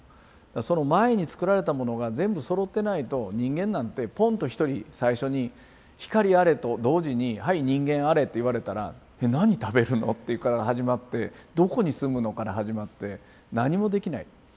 その前につくられたものが全部そろってないと人間なんてポンと一人最初に「光あれ」と同時に「はい人間あれ」って言われたら何食べるの？っていうのから始まってどこに住むの？から始まって何もできない。